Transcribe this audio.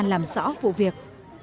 làm rõ vụ việc